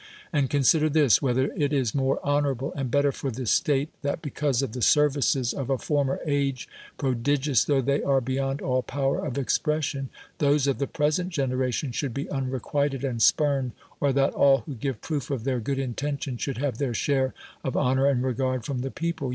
And con sider this — whether i^ is more honorable and better for the state, that because of the services 182 DEMOSTHENES of a former aire, prodig'iovis tlio they nre bt.'yond all power of ex]'»ression. those of the })resent generation should be iinre(iuilfd and spurned, or tliat aii who uive pi'oof of their <:'oo(l inten tions sliouhl have their sliare of hont)r and reirard from the people?